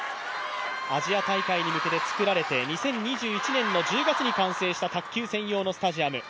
アジア大会に向けてつくられて、２０２１年の１０月に完成した卓球専用のスタジアム。